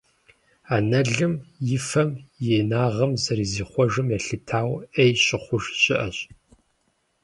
Анэлым и фэм, и инагъым зэрызихъуэжым елъытауэ, «Ӏей» щыхъуж щыӀэщ.